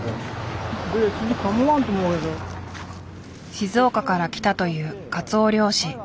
静岡から来たというカツオ漁師。